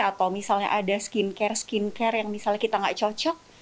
atau misalnya ada skincare skincare yang misalnya kita nggak cocok